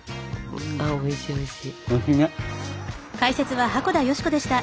おいしいおいしい。